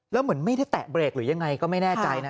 แล้วเหมือนไม่ได้แตะเบรกหรือยังไงก็ไม่แน่ใจนะ